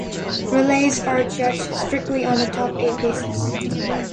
Relays are judged strictly on a top-eight basis.